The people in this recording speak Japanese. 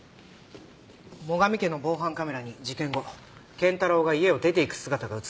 最上家の防犯カメラに事件後賢太郎が家を出ていく姿が映っていました。